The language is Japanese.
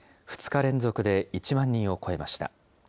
２日連続で１万人を超えました。